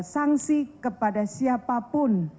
sanksi kepada siapapun